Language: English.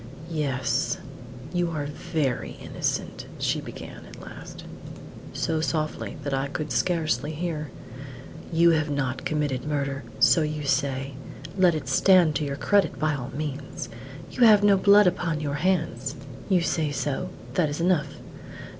"Yes; you are very innocent!" she began at last, so softly that I could scarcely hear. "You have not committed murder, so you say; let it stand to your credit by all means. You have no blood upon your hands; you say so; that is enough.